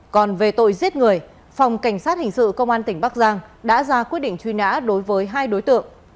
còn về tội giết người phòng cảnh sát hình sự công an tỉnh bắc giang đã ra quyết định truy nã đối với hai đối tượng